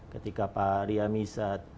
ketika pak riami satwa dan pak jokowi